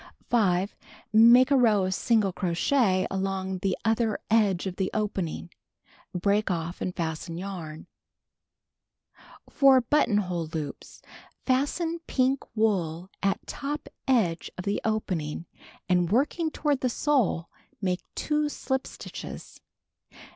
5. Make a row of single crochet along the other edge of the (jpening. Break ofT and fasten yarn. For Buttoidiole Loops: I'astcn pink wool at top edgc^ of the opening, and working toward tho sole, make '2 slij) stitches.